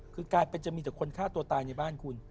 คือกลายเป็นจะมีแต่คนฆ่าตัวตายในบ้านคุณ